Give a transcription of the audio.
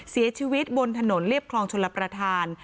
เสียชีวิตบนถนนเรียบคลองชลประธาน